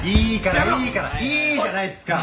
いいじゃないっすか。